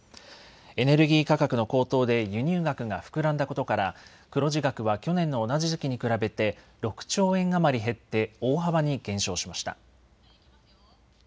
エネルギー価格の高騰で輸入額が膨らんだことから黒字額は去年の同じ時期に比べて６兆円余り減って大幅に減少しました。